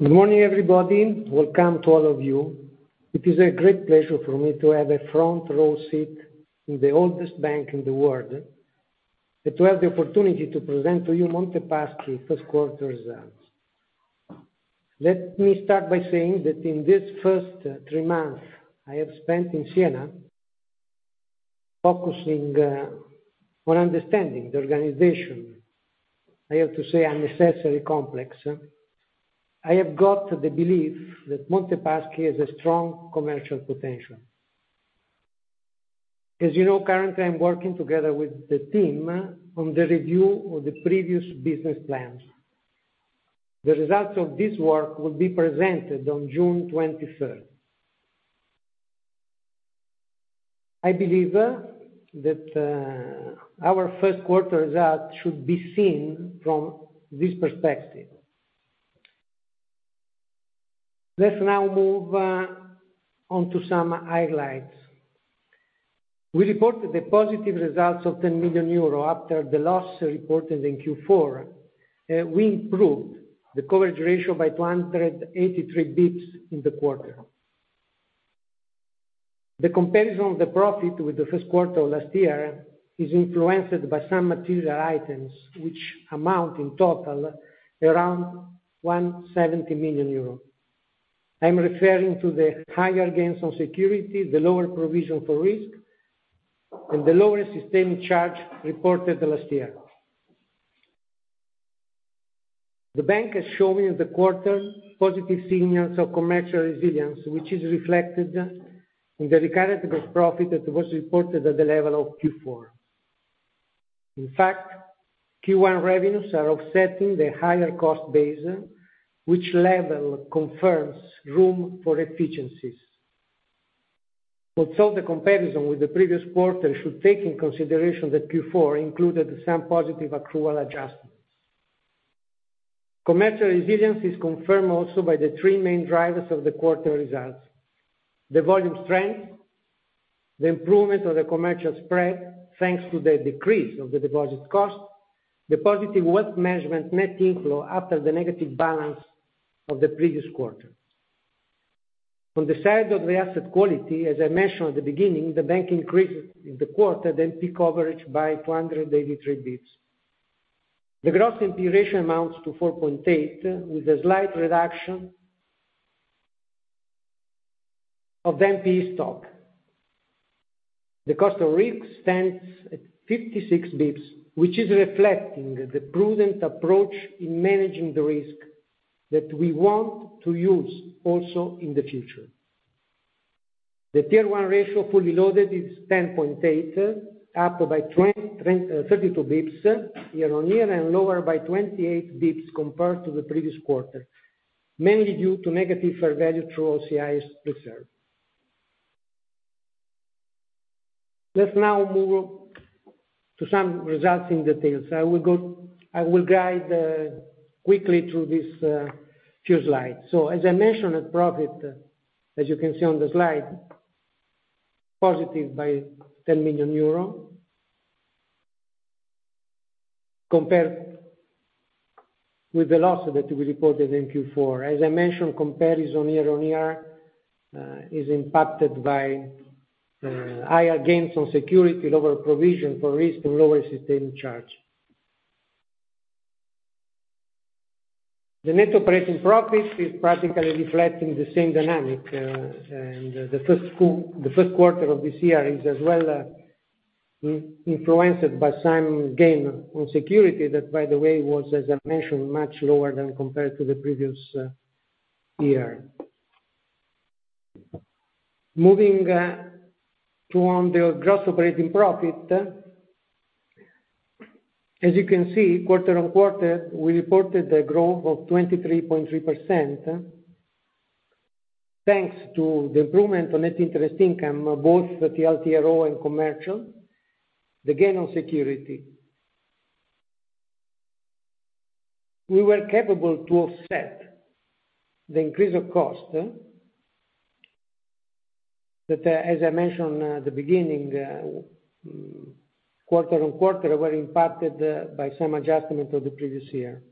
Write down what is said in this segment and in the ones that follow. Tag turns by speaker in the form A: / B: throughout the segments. A: Good morning, everybody. Welcome to all of you. It is a great pleasure for me to have a front row seat in the oldest bank in the world, and to have the opportunity to present to you Monte Paschi first quarter results. Let me start by saying that in this first three months I have spent in Siena, focusing on understanding the organization, I have to say unnecessarily complex, I have got the belief that Monte Paschi has a strong commercial potential. As you know, currently I'm working together with the team on the review of the previous business plans. The results of this work will be presented on June 23. I believe that our first quarter results should be seen from this perspective. Let's now move on to some highlights. We reported the positive results of 10 million euro after the loss reported in Q4. We improved the coverage ratio by 283 basis points in the quarter. The comparison of the profit with the first quarter of last year is influenced by some material items which amount in total around 170 million euros. I'm referring to the higher gains on securities, the lower provision for risk, and the lower systemic charge reported last year. The bank is showing in the quarter positive signals of commercial resilience, which is reflected in the recurring gross profit that was reported at the level of Q4. In fact, Q1 revenues are offsetting the higher cost base, which level confirms room for efficiencies. Also the comparison with the previous quarter should take into consideration that Q4 included some positive accrual adjustments. Commercial resilience is confirmed also by the three main drivers of the quarter results, the volume strength, the improvement of the commercial spread, thanks to the decrease of the deposit cost, the positive wealth management net inflow after the negative balance of the previous quarter. On the side of the asset quality, as I mentioned at the beginning, the bank increased in the quarter the NP coverage by 283 basis points. The gross NP ratio amounts to 4.8, with a slight reduction of NP stock. The cost of risk stands at 56 basis points, which is reflecting the prudent approach in managing the risk that we want to use also in the future. The Tier 1 ratio, fully loaded, is 10.8, up by 32 bps year-over-year and lower by 28 bps compared to the previous quarter, mainly due to negative fair value through OCI's reserve. Let's now move to some results in details. I will guide quickly through this few slides. As I mentioned, net profit, as you can see on the slide, positive by EUR 10 million compared with the loss that we reported in Q4. As I mentioned, comparison year-over-year is impacted by higher gains on securities, lower provision for risk, and lower systemic charge. The net operating profit is practically reflecting the same dynamic, and the first quarter of this year is as well, influenced by some gain on security that, by the way, was, as I mentioned, much lower than compared to the previous year. Moving on to the gross operating profit, as you can see, quarter-on-quarter, we reported a growth of 23.3%, thanks to the improvement on net interest income, both the TLTRO and commercial, the gain on security. We were capable to offset the increase of cost, that, as I mentioned at the beginning, quarter-on-quarter were impacted by some adjustment of the previous year.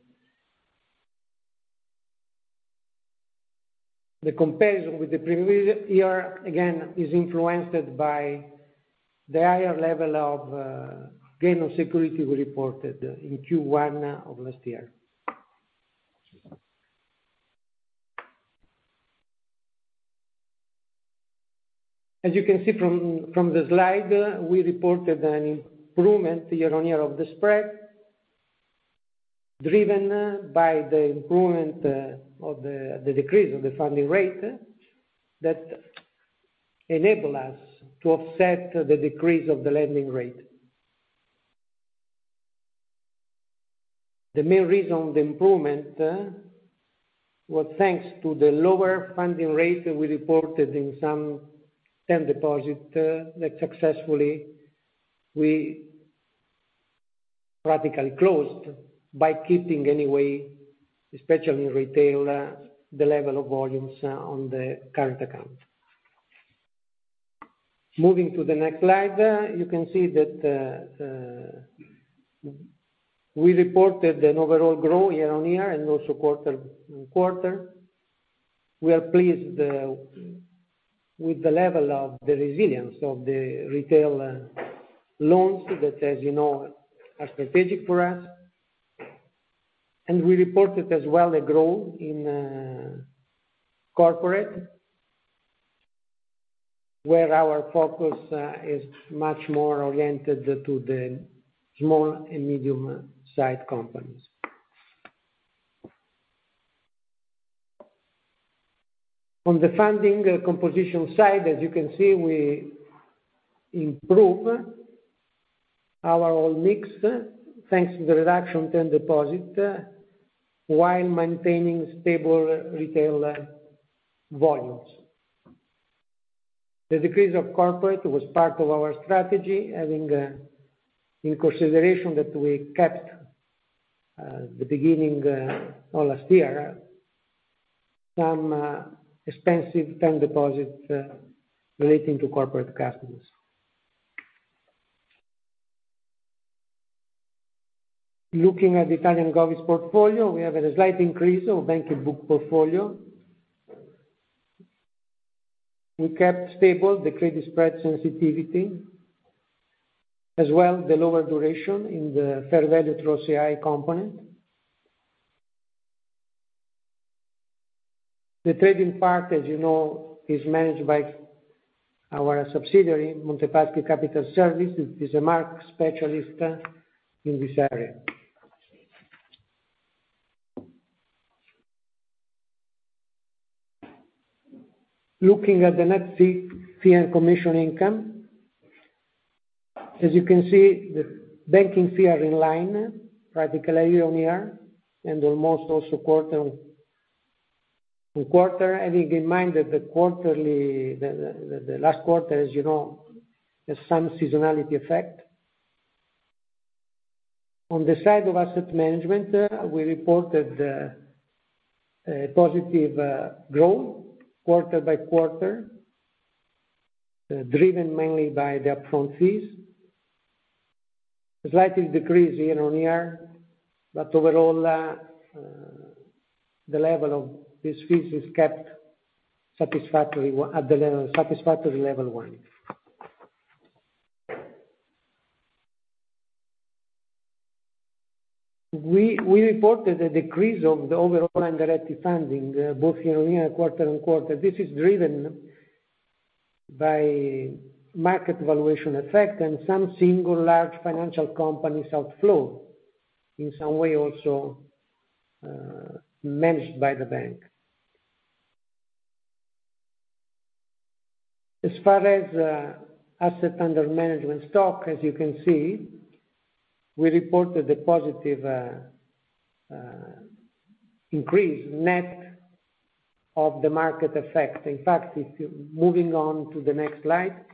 A: The comparison with the previous year, again, is influenced by the higher level of gain on security we reported in Q1 of last year. As you can see from the slide, we reported an improvement year-on-year of the spread driven by the improvement of the decrease of the funding rate that enable us to offset the decrease of the lending rate. The main reason of the improvement was thanks to the lower funding rate we reported in some term deposit that successfully we radically closed by keeping anyway, especially in retail, the level of volumes on the current account. Moving to the next slide, you can see that we reported an overall growth year-on-year and also quarter-on-quarter. We are pleased with the level of the resilience of the retail loans that, as you know, are strategic for us. We reported as well a growth in corporate, where our focus is much more oriented to the small and medium-sized companies. On the funding composition side, as you can see, we improve our own mix, thanks to the reduction in term deposits, while maintaining stable retail volumes. The decrease of corporate was part of our strategy, taking into consideration that we kept, at the beginning of last year, some expensive term deposits relating to corporate customers. Looking at the Italian Govies portfolio, we have a slight increase of banking book portfolio. We kept stable the credit spread sensitivity, as well as the lower duration in the fair value through OCI component. The trading part, as you know, is managed by our subsidiary, MPS Capital Services. It is a market specialist in this area. Looking at the net fee and commission income, as you can see, the banking fee are in line, practically year-on-year, and almost also quarter-on-quarter. Having in mind that the quarterly, the last quarter, as you know, has some seasonality effect. On the side of asset management, we reported a positive growth quarter-by-quarter, driven mainly by the upfront fees. A slight decrease year-on-year, but overall, the level of these fees is kept satisfactory at the level, satisfactory level one. We reported a decrease of the overall indirect funding, both year-on-year, quarter-on-quarter. This is driven by market valuation effect and some single large financial companies outflow in some way also managed by the bank. As far as asset under management stock, as you can see, we reported a positive increase net of the market effect. In fact, if you're moving on to the next slide,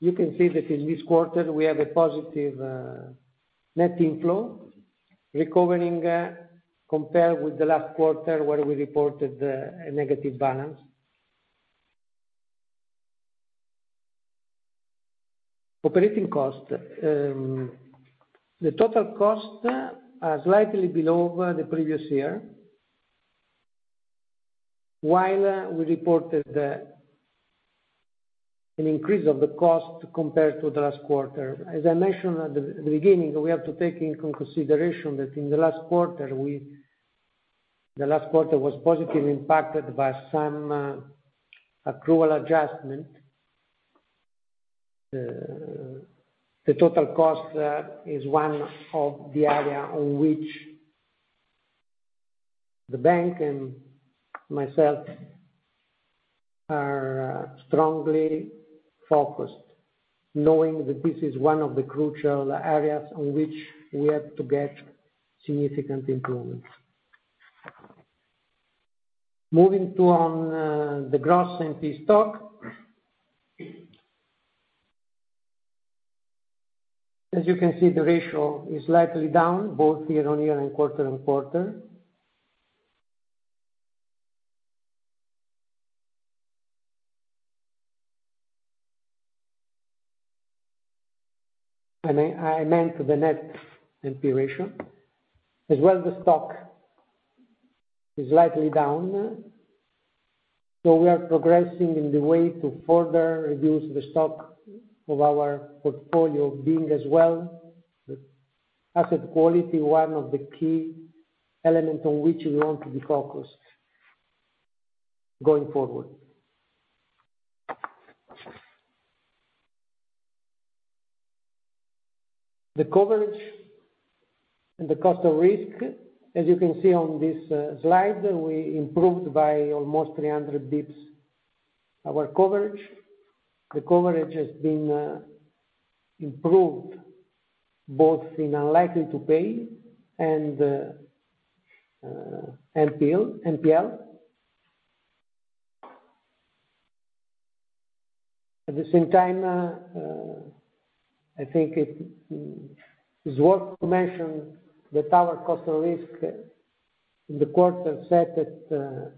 A: you can see that in this quarter we have a positive net inflow recovering compared with the last quarter where we reported a negative balance. Operating cost. The total cost are slightly below the previous year, while we reported an increase of the cost compared to the last quarter. As I mentioned at the beginning, we have to take into consideration that in the last quarter, the last quarter was positively impacted by some accrual adjustment. The total cost is one of the area on which the bank and myself are strongly focused, knowing that this is one of the crucial areas on which we have to get significant improvements. Moving on to the gross NPE stock. As you can see, the ratio is slightly down both year-over-year and quarter-over-quarter. I meant the net NPE ratio. As well, the stock is slightly down, so we are progressing in the way to further reduce the stock of our portfolio, being as well asset quality, one of the key element on which we want to be focused going forward. The coverage and the cost of risk. As you can see on this slide, we improved by almost 300 basis points our coverage. The coverage has been improved both in unlikely to pay and NPL. At the same time, I think it is worth to mention that our cost of risk in the quarter set at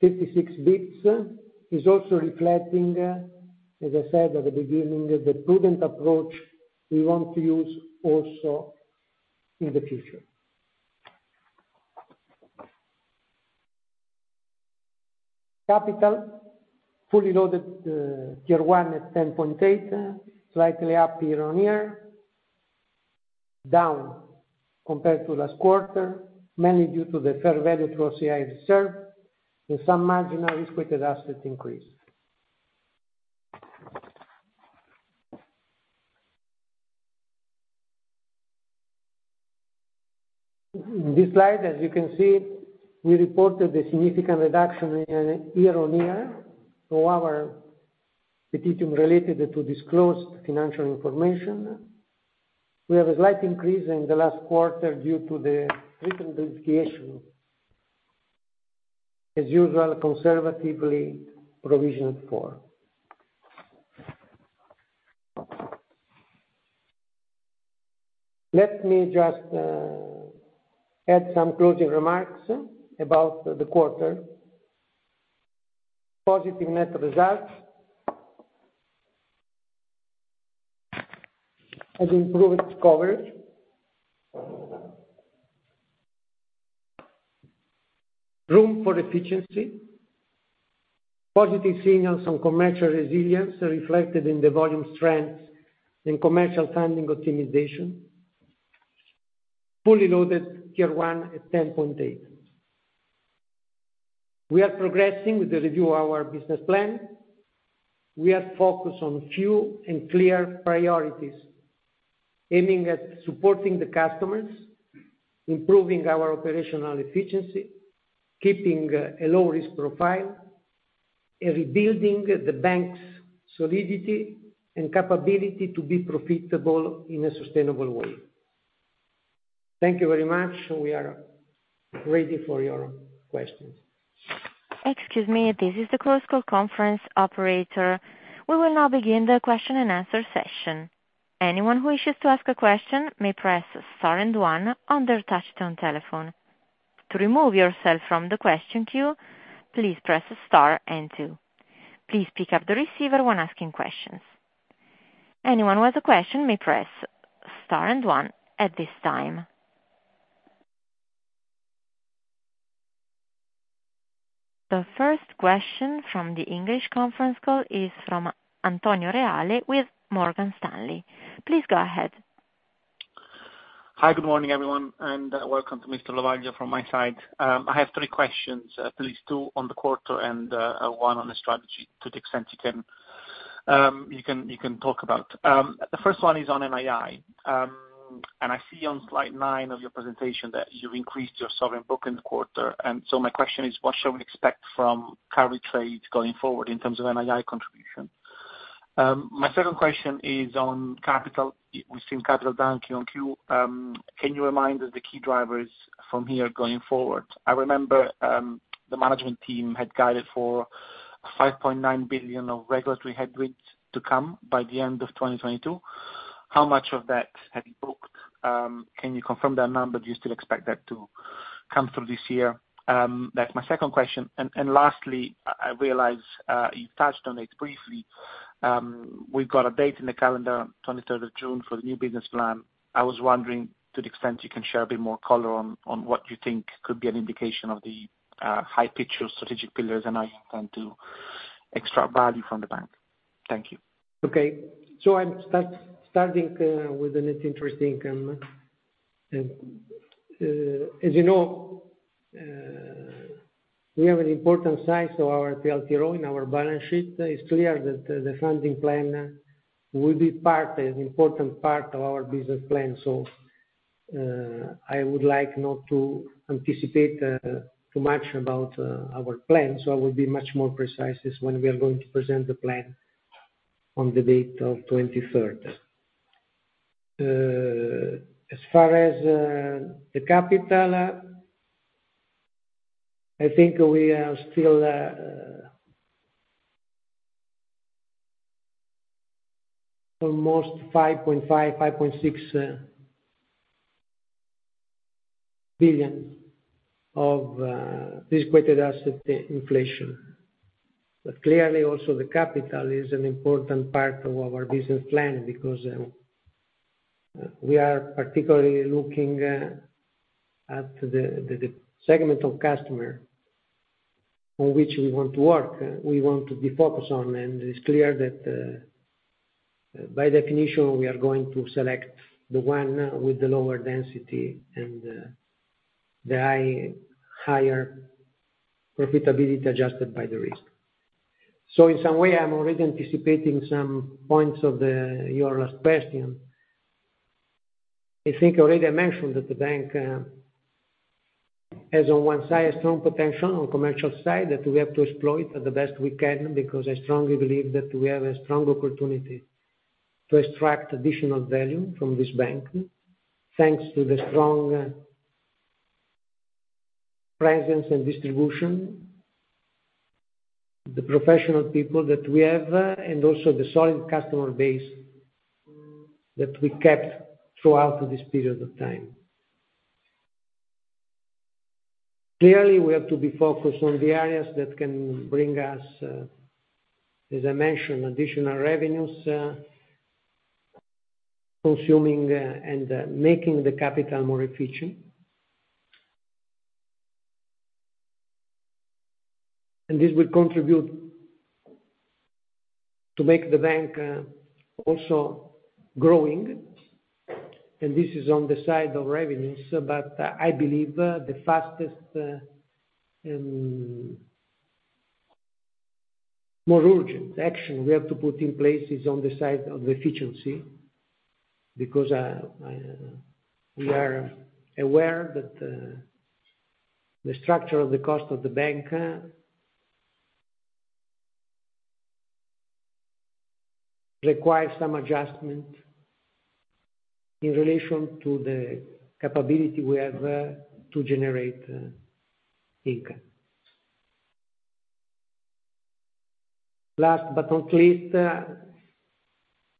A: 56 basis points is also reflecting, as I said at the beginning, the prudent approach we want to use also in the future. Capital, fully loaded, Tier 1 at 10.8, slightly up year-over-year, down compared to last quarter, mainly due to the fair value through OCI reserve and some marginal risk-weighted assets increase. This slide, as you can see, we reported a significant reduction year-over-year in our provision related to disclosed financial information. We have a slight increase in the last quarter due to the recent litigation. As usual, conservatively provisioned for. Let me just add some closing remarks about the quarter. Positive net results. Have improved coverage. Room for efficiency. Positive signals on commercial resilience are reflected in the volume trends in commercial funding optimization. Fully loaded Tier 1 at 10.8. We are progressing with the review of our business plan. We are focused on a few and clear priorities, aiming at supporting the customers, improving our operational efficiency, keeping a low risk profile, and rebuilding the bank's solidity and capability to be profitable in a sustainable way. Thank you very much. We are ready for your questions.
B: Excuse me. This is the close call conference operator. We will now begin the question-and-answer session. Anyone who wishes to ask a question may press Star and One on their touchtone telephone. To remove yourself from the question queue, please press Star and Two. Please pick up the receiver when asking questions. Anyone who has a question may press Star and One at this time. The first question from the English conference call is from Antonio Reale with Morgan Stanley. Please go ahead.
C: Hi, good morning, everyone, and welcome to Mr. Lovaglio from my side. I have three questions, please. Two on the quarter and one on the strategy to the extent you can talk about. The first one is on NII. I see on slide 9 of your presentation that you've increased your sovereign book in the quarter. My question is, what should we expect from carry trade going forward in terms of NII contribution? My second question is on capital. We've seen capital down Q on Q. Can you remind us the key drivers from here going forward? I remember, the management team had guided for 5.9 billion of regulatory headwinds to come by the end of 2022. How much of that have you booked? Can you confirm that number? Do you still expect that to come through this year? That's my second question. Lastly, I realize you touched on it briefly. We've got a date in the calendar, twenty-third of June for the new business plan. I was wondering, to the extent you can share a bit more color on what you think could be an indication of the big picture strategic pillars, and how you plan to extract value from the bank. Thank you.
A: Okay. I'm starting with the net interest income. As you know, we have an important size of our TLTRO in our balance sheet. It's clear that the funding plan will be part, an important part of our business plan. I would like not to anticipate too much about our plans. I will be much more precise when we are going to present the plan on the date of 23rd. As far as the capital, I think we are still almost 5.5 billion-5.6 billion of risk-weighted assets inflation. Clearly also the capital is an important part of our business plan because we are particularly looking at the customer segment on which we want to work, we want to be focused on. It's clear that, by definition, we are going to select the one with the lower density and the higher profitability adjusted by the risk. In some way, I'm already anticipating some points of your last question. I think I already mentioned that the bank has on one side a strong potential on commercial side that we have to explore it the best we can because I strongly believe that we have a strong opportunity to extract additional value from this bank, thanks to the strong presence and distribution, the professional people that we have, and also the solid customer base that we kept throughout this period of time. Clearly, we have to be focused on the areas that can bring us, as I mentioned, additional revenues, consumer, and making the capital more efficient. This will contribute to make the bank also growing. This is on the side of revenues. I believe the fastest more urgent action we have to put in place is on the side of efficiency. Because we are aware that the structure of the cost of the bank requires some adjustment in relation to the capability we have to generate income. Last but not least,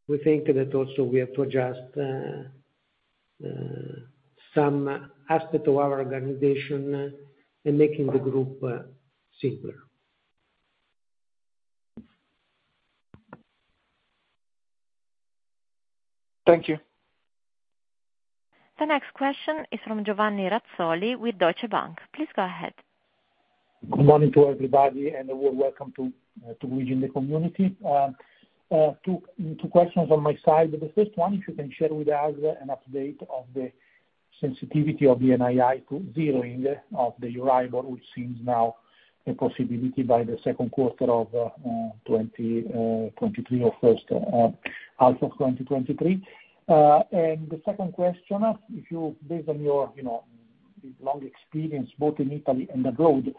A: we think that also we have to adjust some aspect of our organization in making the group simpler.
C: Thank you.
B: The next question is from Giovanni Razzoli with Deutsche Bank. Please go ahead.
D: Good morning to everybody, and a warm welcome to Luigi and the community. Two questions on my side. The first one, if you can share with us an update of the sensitivity of the NII to zeroing of the Euribor, which seems now a possibility by the second quarter of 2023 or first half of 2023. The second question, if you based on your, you know, long experience, both in Italy and abroad, you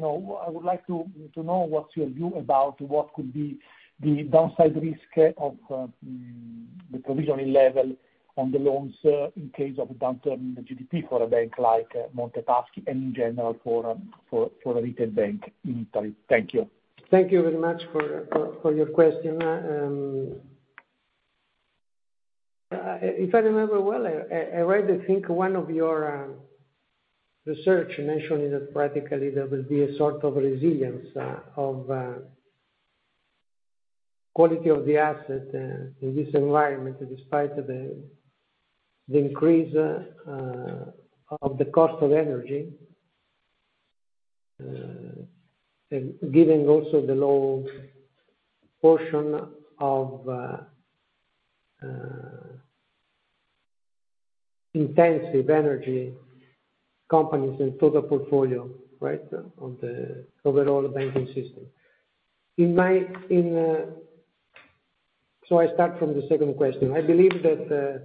D: know, I would like to know what's your view about what could be the downside risk of the provisioning level on the loans in case of a downturn in the GDP for a bank like Monte Paschi and in general for a retail bank in Italy. Thank you.
A: Thank you very much for your question. If I remember well, I read, I think, one of your research mentioning that practically there will be a sort of resilience of quality of the asset in this environment, despite the increase of the cost of energy, given also the low portion of intensive energy companies in total portfolio, right, of the overall banking system. I start from the second question. I believe that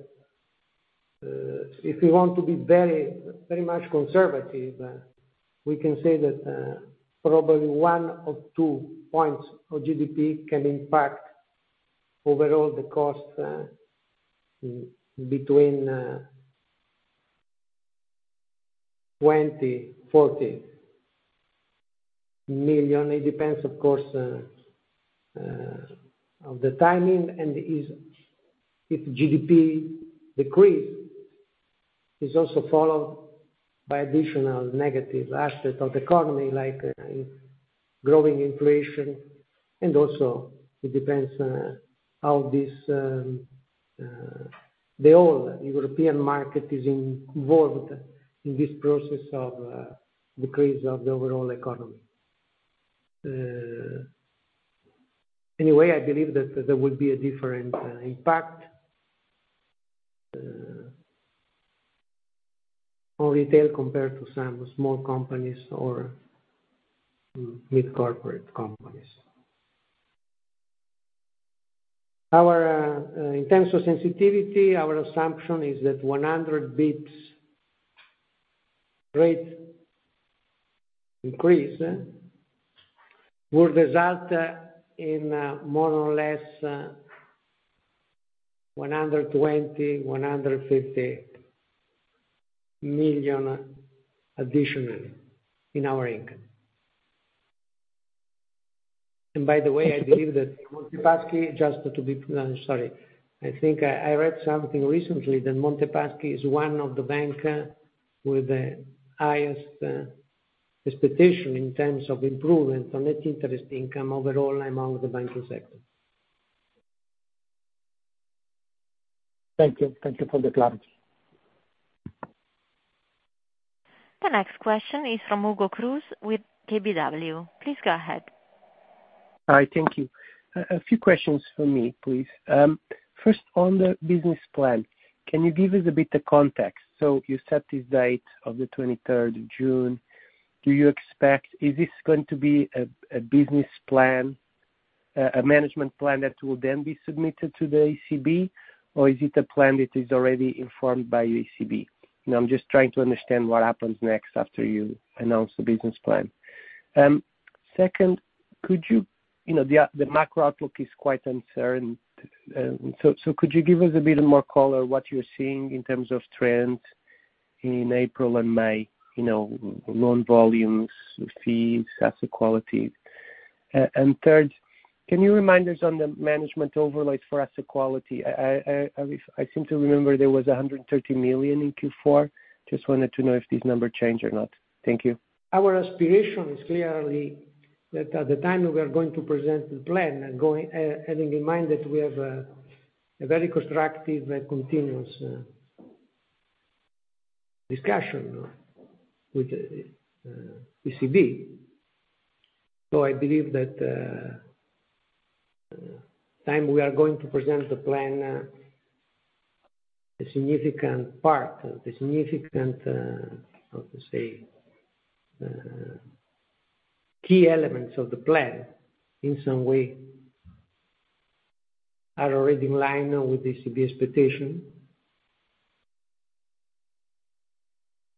A: if we want to be very, very much conservative, we can say that probably one or two points of GDP can impact overall the cost between 20 million-40 million. It depends, of course, of the timing, if GDP decrease is also followed by additional negative aspects of the economy, like growing inflation, and also it depends, how this, the whole European market is involved in this process of, decrease of the overall economy. Anyway, I believe that there will be a different, impact, on retail compared to some small companies or mid-corporate companies. Our in terms of sensitivity, our assumption is that 100 basis points rate increase would result in, more or less, 120 million-150 million additionally in our income. By the way, I believe that Monte Paschi, just to be. I'm sorry. I think I read something recently that Monte Paschi is one of the bank with the highest expectation in terms of improvement on net interest income overall among the banking sector.
D: Thank you. Thank you for the clarity.
B: The next question is from Hugo Cruz with KBW. Please go ahead.
E: Hi. Thank you. A few questions from me, please. First on the business plan, can you give us a bit of context? You set this date of the 23rd of June. Is this going to be a business plan, a management plan that will then be submitted to the ECB, or is it a plan that is already informed by ECB? Now, I'm just trying to understand what happens next after you announce the business plan. Second, could you know, the macro outlook is quite uncertain, so could you give us a bit more color what you're seeing in terms of trends in April and May, you know, loan volumes, fees, asset quality? Third, can you remind us on the management overlays for asset quality? I seem to remember there was 130 million in Q4. Just wanted to know if this number changed or not? Thank you.
A: Our aspiration is clearly that at the time we are going to present the plan, having in mind that we have a very constructive and continuous discussion with ECB. I believe that time we are going to present the plan, the significant key elements of the plan in some way are already in line with the ECB expectation.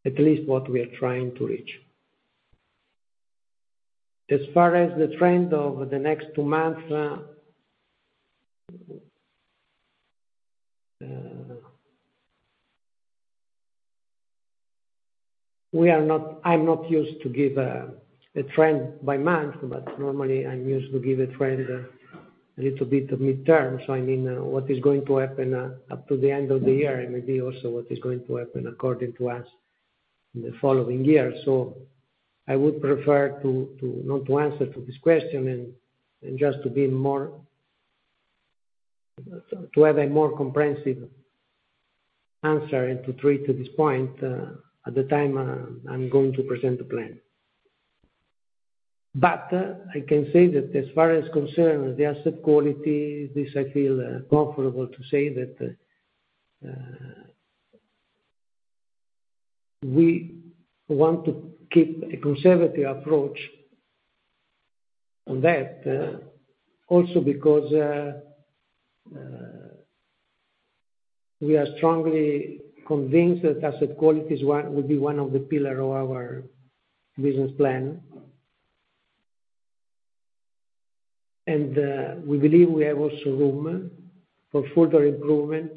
A: At least what we are trying to reach. As far as the trend over the next two months, I'm not used to give a trend by month, but normally I'm used to give a trend a little bit of midterm. I mean, what is going to happen up to the end of the year, and maybe also what is going to happen according to us in the following years. I would prefer not to answer this question and just to have a more comprehensive answer and to treat at this point, at the time I'm going to present the plan. I can say that as far as concerns the asset quality, I feel comfortable to say that we want to keep a conservative approach on that, also because we are strongly convinced that asset quality will be one of the pillar of our business plan. We believe we have also room for further improvement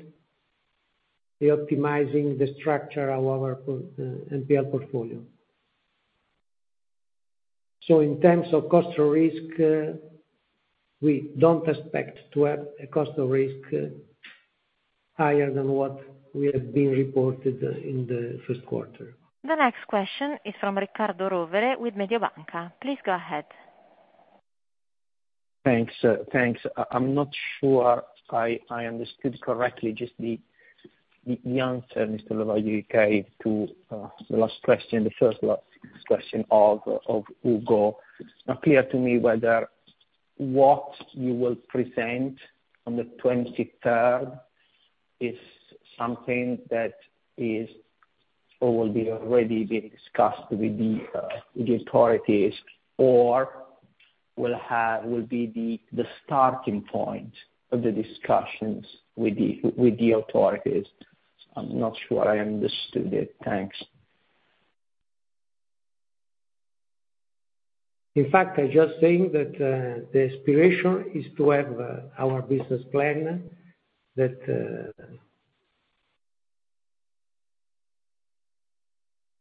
A: in optimizing the structure of our NPL portfolio. In terms of cost of risk, we don't expect to have a cost of risk higher than what we have been reporting in the first quarter.
B: The next question is from Riccardo Rovere with Mediobanca. Please go ahead.
F: Thanks. I'm not sure I understood correctly just the answer Mr. Lovaglio gave to the last question of Hugo. Not clear to me whether what you will present on the twenty-third is something that is or will be already being discussed with the authorities, or will be the starting point of the discussions with the authorities. I'm not sure I understood it. Thanks.
A: In fact, I just think that the aspiration is to have our business plan that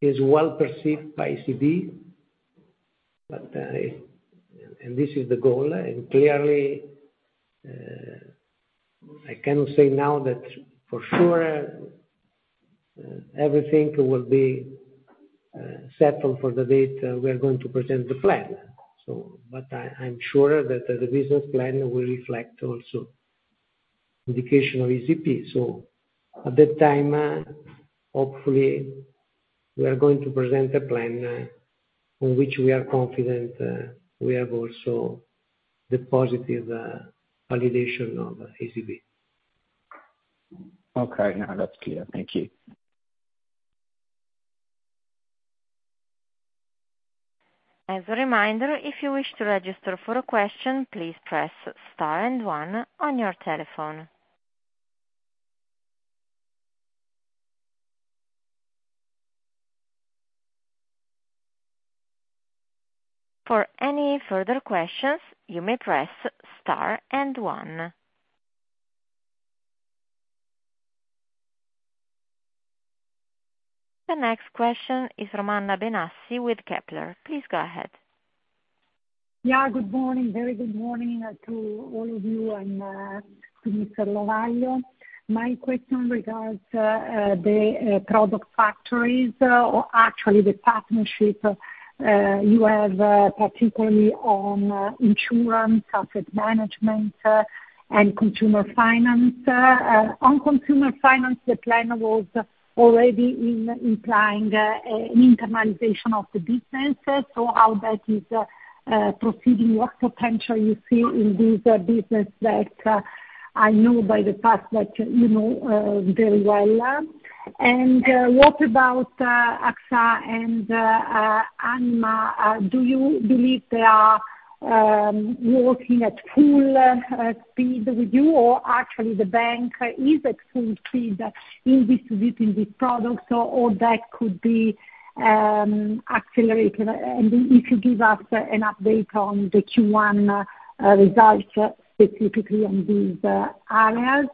A: is well perceived by ECB, and this is the goal. Clearly, I cannot say now that for sure everything will be settled for the date we are going to present the plan. I'm sure that the business plan will reflect also indication of ECB. At that time, hopefully, we are going to present a plan on which we are confident we have also the positive validation of ECB.
F: Okay, now that's clear. Thank you.
B: As a reminder, if you wish to register for a question, please press star and one on your telephone. For any further questions, you may press star and one. The next question is Anna Benassi with Kepler. Please go ahead.
G: Yeah. Good morning. Very good morning to all of you and to Mr. Lovaglio. My question regards the product factories or actually the partnership you have, particularly on insurance, asset management, and consumer finance. On consumer finance, the plan was already implying an internalization of the business. How that is proceeding, what potential you see in this business that I know from the past that you know very well. What about AXA and Anima, do you believe they are working at full speed with you, or actually the bank is at full speed in distributing these products or that could be accelerated. If you give us an update on the Q1 results specifically on these areas.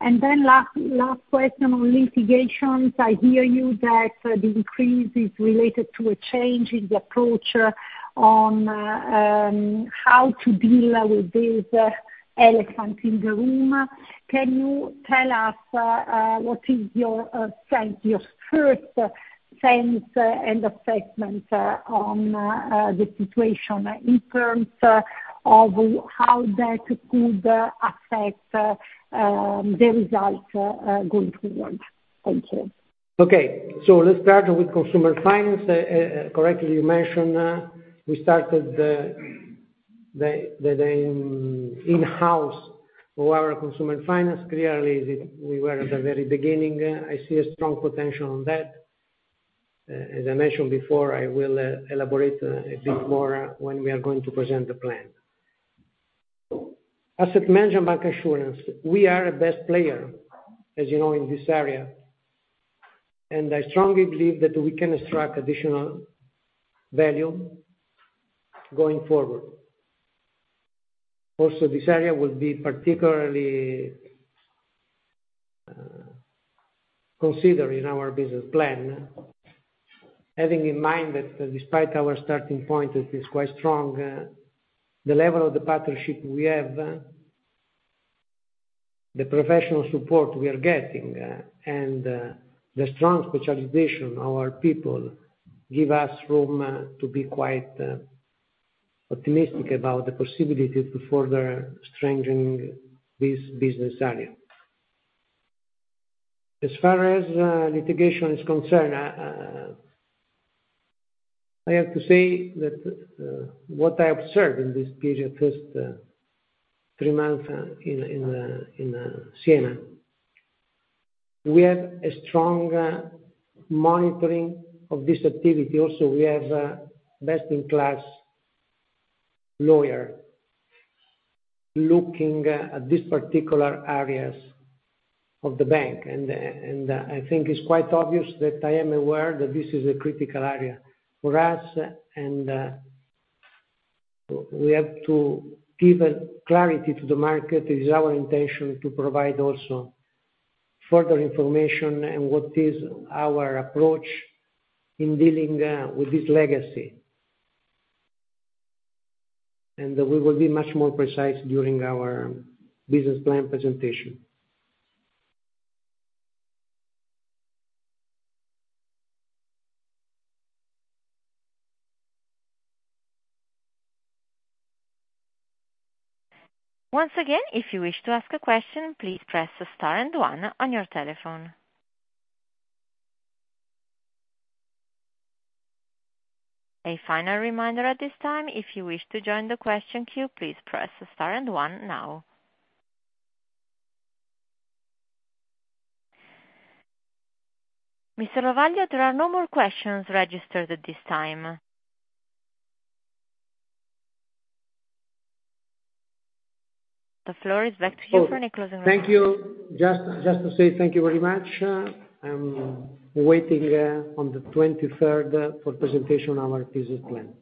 G: Last question on litigations. I hear you that the increase is related to a change in the approach on how to deal with this elephant in the room. Can you tell us what is your sense, your first sense and assessment, on the situation in terms of how that could affect the results going forward? Thank you.
A: Okay. Let's start with consumer finance. Correctly, you mentioned, we started the in-house for our consumer finance. Clearly, we were at the very beginning. I see a strong potential on that. As I mentioned before, I will elaborate a bit more when we are going to present the plan. Asset management insurance, we are a best-in-class player, as you know, in this area, and I strongly believe that we can strike additional value going forward. Also, this area will be particularly considered in our business plan, having in mind that despite our starting point, it is quite strong. The level of the partnership we have, the professional support we are getting, and the strong specialization our people give us room to be quite optimistic about the possibility to further strengthening this business area. As far as litigation is concerned, I have to say that what I observed in this period, first three months, in Siena, we have a strong monitoring of this activity. Also, we have best-in-class lawyer looking at this particular areas of the bank. I think it's quite obvious that I am aware that this is a critical area for us and we have to give clarity to the market. It is our intention to provide also further information and what is our approach in dealing with this legacy. We will be much more precise during our business plan presentation.
B: Once again, if you wish to ask a question, please press star and one on your telephone. A final reminder at this time, if you wish to join the question queue, please press star and one now. Mr. Lovaglio, there are no more questions registered at this time. The floor is back to you for any closing remarks.
A: Thank you. Just to say thank you very much. I'm waiting on the 23rd for the presentation of our business plan.